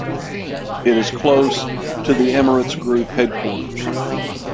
It is close to the Emirates Group Headquarters.